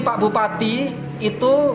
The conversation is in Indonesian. pak bupati itu